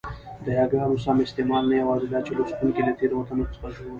د یاګانو سم استعمال نه یوازي داچي لوستوونکی له تېروتنو څخه ژغوري؛